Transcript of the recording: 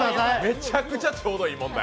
めちゃくちゃちょうどいい問題。